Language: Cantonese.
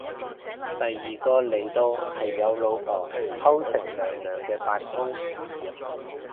第二個嚟到係有老婆偷食娘娘嘅八公